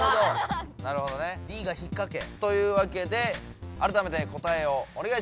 なるほどＤがひっかけ。というわけであらためて答えをおねがいします。